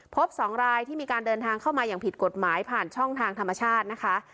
๒รายที่มีการเดินทางเข้ามาอย่างผิดกฎหมายผ่านช่องทางธรรมชาตินะคะ